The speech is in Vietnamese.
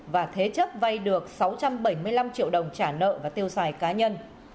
và thế chấp vay được sáu trăm bảy mươi năm triệu đồng trả nợ và tiêu xài cá nhân